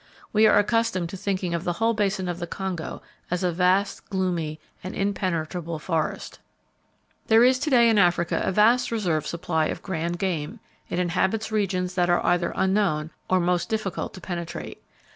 We are accustomed to thinking of the whole basin of the Congo as a vast, gloomy and impenetrable forest. There is to day in Africa a vast reserve supply of grand game. It inhabits regions that are either unknown, or most difficult to penetrate.